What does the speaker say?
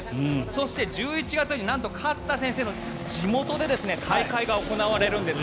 そして、１１月になんと勝田選手の地元で大会が行われるんです。